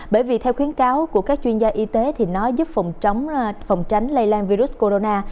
bởi vì theo khuyến cáo của các chuyên gia y tế thì nó giúp phòng chống phòng tránh lây lan virus corona